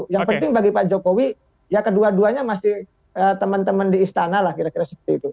yang penting bagi pak jokowi ya kedua duanya masih teman teman di istana lah kira kira seperti itu